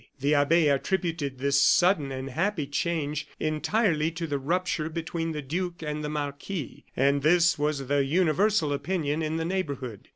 The abbe attributed this sudden and happy change entirely to the rupture between the duke and the marquis, and this was the universal opinion in the neighborhood.